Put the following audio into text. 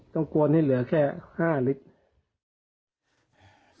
ต้องกวนให้เหลือแค่๕ลิตร